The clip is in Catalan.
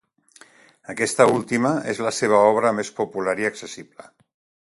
Aquesta última és la seva obra més popular i accessible.